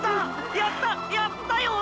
やったやったよ小野田！！